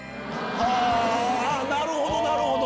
なるほどなるほど！